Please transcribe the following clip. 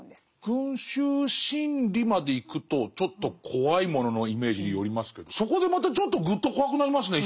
「群衆心理」までいくとちょっと怖いもののイメージに寄りますけどそこでまたちょっとぐっと怖くなりますね。